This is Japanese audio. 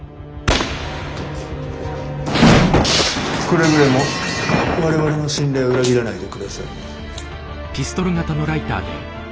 くれぐれも我々の信頼を裏切らないで下さい。